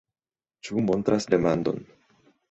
Ĉu montras demandon.